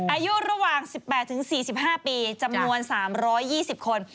อายุระหว่าง๑๘๔๕ปีจำนวน๓๒๐คน